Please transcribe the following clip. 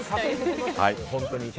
本当に？